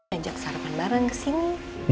ajak sarapan bareng ke sini